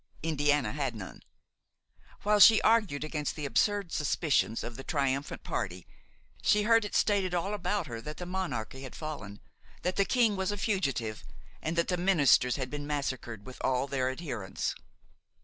Indiana had none. While she argued against the absurd suspicions of the triumphant party, she heard it stated all about her that the monarchy had fallen, that the king was a fugitive, and that the ministers had been massacred with all their adherents.